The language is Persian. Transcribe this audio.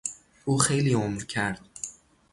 او خیلی عمر کرد.